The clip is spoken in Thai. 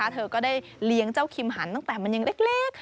เธอก็ได้เลี้ยงเจ้าคิมหันตั้งแต่มันยังเล็ก